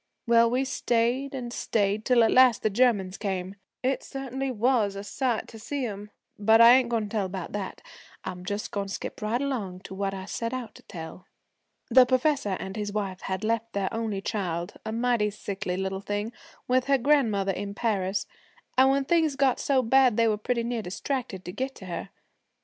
Well, we stayed and stayed, till at last the Germans came. It certainly was a sight to see 'em but I ain't goin' to tell about that, I'm just goin' to skip right along to what I set out to tell. 'The professor and his wife had left their only child, a mighty sickly little thing, with her grandmother in Paris, and when things got so bad they were pretty near distracted to get to her.